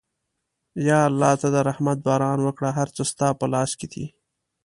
یا الله ته د رحمت باران وکړه، هر څه ستا په لاس کې دي.